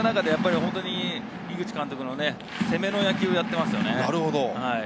井口監督の攻めの野球をやっていますよね。